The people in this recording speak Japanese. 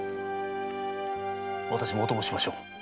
私もお供しましょう。